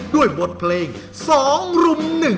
ด้วยบทเพลง๒รุ่ม๑